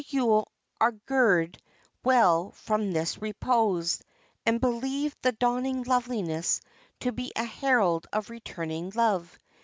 Yule augured well from this repose, and believed the dawning loveliness to be a herald of returning love.